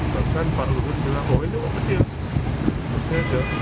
bahkan pak luhut bilang oh ini kok kecil